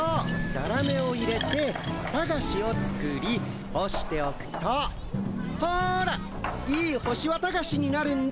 ザラメを入れてわたがしを作り干しておくとほらいい干しわたがしになるんだ。